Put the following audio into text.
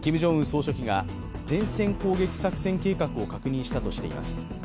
総書記が前線攻撃作戦計画を確認したとしています。